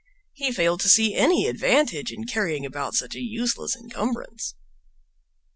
He failed to see any advantage in carrying about such a useless encumbrance.